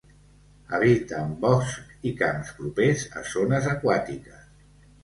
Habita en boscs i camps propers a zones aquàtiques.